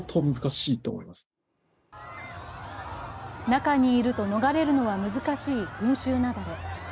中にいると逃れるのは難しい群集雪崩。